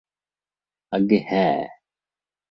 আজ্ঞে, হ্যাঁ!